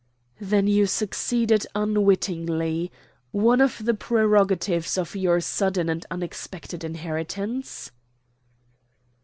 "Then you succeeded unwittingly. One of the prerogatives of your sudden and unexpected inheritance."